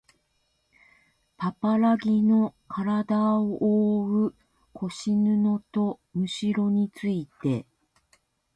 パパラギのからだをおおう腰布とむしろについて